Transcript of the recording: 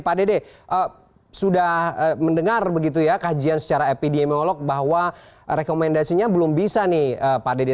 pak dede sudah mendengar begitu ya kajian secara epidemiolog bahwa rekomendasinya belum bisa nih pak dede